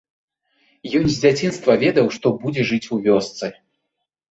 Ён з дзяцінства ведаў, што будзе жыць у вёсцы.